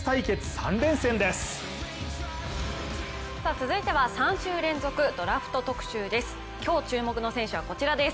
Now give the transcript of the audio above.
続いては３週連続ドラフト特集です。